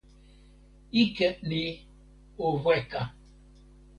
ike ni o weka.